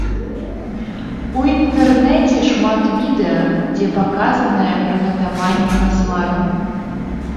У інтэрнэце шмат відэа, дзе паказанае прыгатаванне насваю.